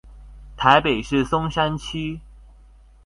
台北市松山區